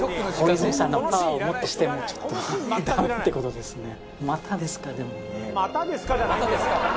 大泉さんのパワーを持ってしてもちょっとダメって事ですね。